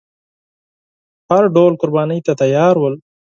هر ډول قربانۍ ته تیار ول.